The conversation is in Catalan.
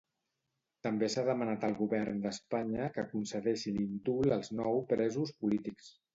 També s'ha demanat al govern d'Espanya que concedeixi l'indult als nou presos polítics.